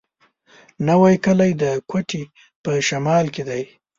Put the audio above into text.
نوی کلی د کوټي په شمال کي دی.